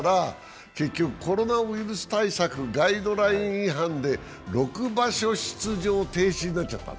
結局、コロナウイルス対策ガイドライン違反で、６場所出場停止になっちゃった。